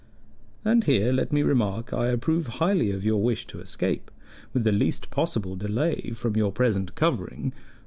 And here, let me remark, I approve highly of your wish to escape, with the least possible delay, from your present covering.